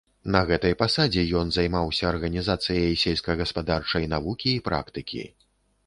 На гэтай пасадзе ён займаўся арганізацыяй сельскагаспадарчай навукі і практыкі.